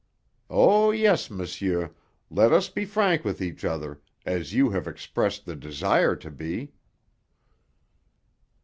Oh, yes, monsieur, let us be frank with each other, as you have expressed the desire to be."